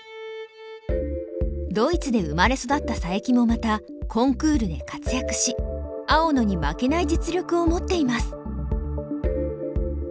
ドイツで生まれ育った佐伯もまたコンクールで活躍し青野に負けない実力を持っています。